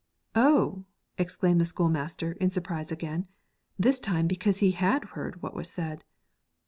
'Oh!' exclaimed the schoolmaster in surprise again, this time because he had heard what was said.